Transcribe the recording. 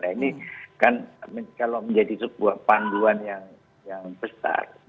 nah ini kan kalau menjadi sebuah panduan yang besar